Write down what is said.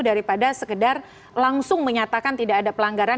daripada sekedar langsung menyatakan tidak ada pelanggaran